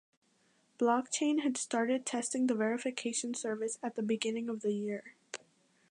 Blockchain had started testing the verification service at the beginning of the year.